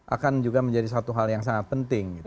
akan juga menjadi suatu hal yang sangat penting gitu